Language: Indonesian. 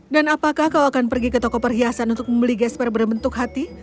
dan apakah kau akan pergi ke toko perhiasan untuk membeli gesper berbentuk hati